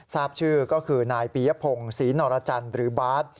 ทราบชื่อก็คือนายปียพงศรีนรจันทร์หรือบาท